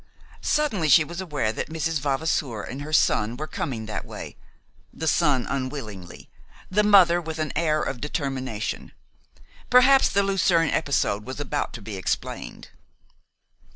Suddenly she was aware that Mrs. Vavasour and her son were coming that way; the son unwillingly, the mother with an air of determination. Perhaps the Lucerne episode was about to be explained.